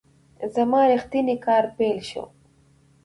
زما ریښتینی کار پیل شو .